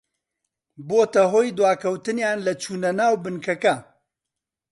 بۆتە هۆی دواکەوتنیان لە چوونە ناو بنکەکە